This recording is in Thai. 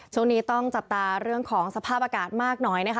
ช่วงนี้ต้องจับตาเรื่องของสภาพอากาศมากหน่อยนะคะ